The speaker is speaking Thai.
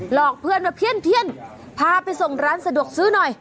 อกเพื่อนมาเพี้ยนพาไปส่งร้านสะดวกซื้อหน่อย